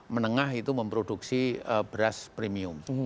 menengah itu memproduksi beras premium